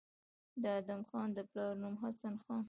د ادم خان د پلار نوم حسن خان